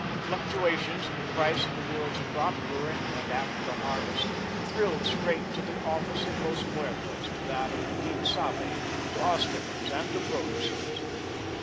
Fluctuations in the price of the world's crop during and after the harvest thrilled straight to the office of Los Muertos, to that of the Quien Sabe, to Osterman's, and to Broderson's.